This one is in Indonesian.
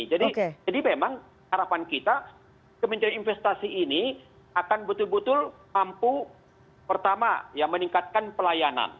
jadi memang harapan kita kementerian investasi ini akan betul betul mampu pertama ya meningkatkan pelayanan